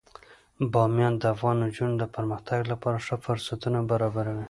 بامیان د افغان نجونو د پرمختګ لپاره ښه فرصتونه برابروي.